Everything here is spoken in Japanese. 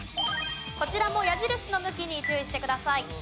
こちらも矢印の向きに注意してください。